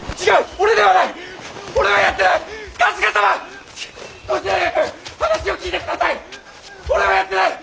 俺はやってない！